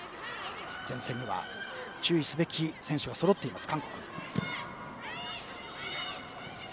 前線には注意すべき選手がそろっています。